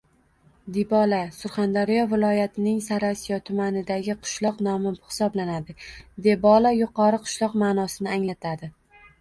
Dibola - Surxondaryo viloyatining Sariosiyo tumanidagi qishloq nomi hisoblanadi. Debolo – “Yuqori qishloq” ma’nosini anglatadi.